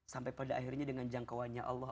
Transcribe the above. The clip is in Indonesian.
sampai pada akhirnya dengan jangkauannya allah